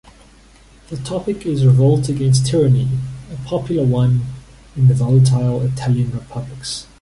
The topic is revolt against tyranny, a popular one in the volatile Italian republics.